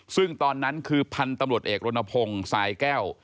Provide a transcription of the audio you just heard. ซึ่งตอนนั้นคือพันธุ์ตำรวจเอกรณพงศ์สายแก้ว